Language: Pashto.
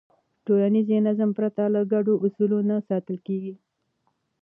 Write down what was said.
ټولنیز نظم پرته له ګډو اصولو نه ساتل کېږي.